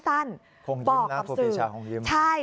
ภงยิ้มนะครูพิริชาภงยิ้มบอกคำสื่อใช่